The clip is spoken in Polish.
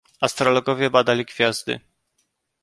"Astrologowie badali gwiazdy."